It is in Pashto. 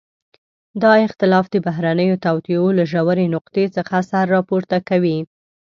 دا اختلاف د بهرنيو توطئو له ژورې نقطې څخه سر راپورته کوي.